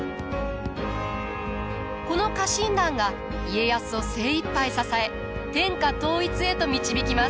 この家臣団が家康を精いっぱい支え天下統一へと導きます。